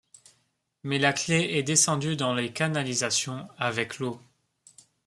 Mais la clef est descendue dans les canalisations, avec l’eau.